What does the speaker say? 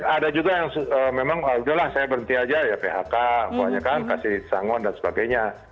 ada juga yang memang udahlah saya berhenti aja ya phk pokoknya kan kasih sangon dan sebagainya